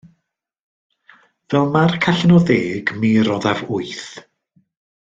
Fel marc allan o ddeg mi roddaf wyth